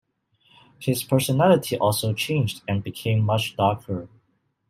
His personality also changed and became much darker.